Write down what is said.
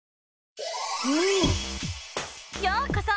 ようこそ！